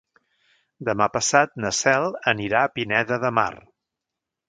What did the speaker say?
Demà passat na Cel anirà a Pineda de Mar.